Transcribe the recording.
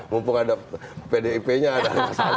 mumpung ada pdip nya ada